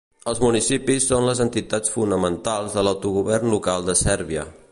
Els municipis són les entitats fonamentals de l'autogovern local a Sèrbia.